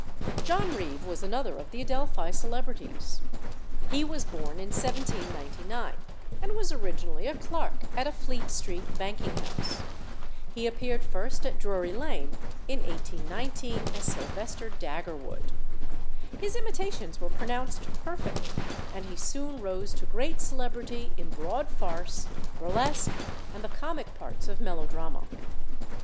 John Reeve was another of the Adelphi celebrities. He was born in 1799, and was originally a clerk at a Fleet Street banking house. He appeared first at Drury Lane in 1819 as Sylvester Daggerwood. His imitations were pronounced perfect, and he soon rose to great celebrity in broad farce, burlesque, and the comic parts of melodrama.